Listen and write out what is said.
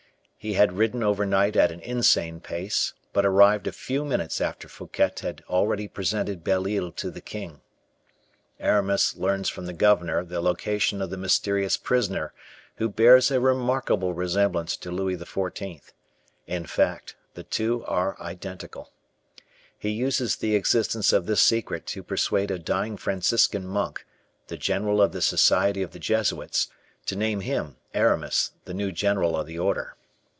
He had ridden overnight at an insane pace, but arrived a few minutes after Fouquet had already presented Belle Isle to the king. Aramis learns from the governor the location of a mysterious prisoner, who bears a remarkable resemblance to Louis XIV in fact, the two are identical. He uses the existence of this secret to persuade a dying Franciscan monk, the general of the society of the Jesuits, to name him, Aramis, the new general of the order.